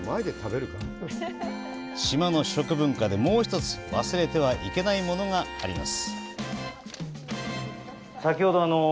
島の食文化で、もう１つ、忘れてはいけないものがあります。